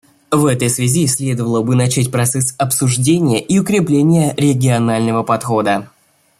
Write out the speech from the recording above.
В этой связи следовало бы начать процесс обсуждения и укрепления регионального подхода.